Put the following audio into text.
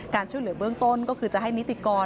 ช่วยเหลือเบื้องต้นก็คือจะให้นิติกร